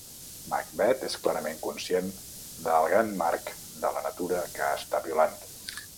Macbeth és clarament conscient de el gran marc de la natura que està violant.